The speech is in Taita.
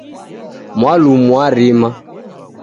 Mwalumu w'arima